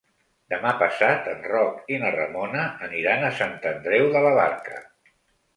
Demà passat en Roc i na Ramona aniran a Sant Andreu de la Barca.